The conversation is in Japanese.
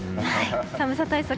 寒さ対策